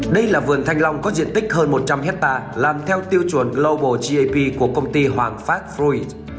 đây là vườn thanh long có diện tích hơn một trăm linh hectare làm theo tiêu chuẩn global gap của công ty hoàng phát froui